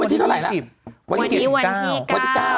วันที่๑๐และวันที่๙